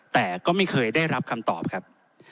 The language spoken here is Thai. แต่ก็ไม่เคยได้รับคำตอบครับ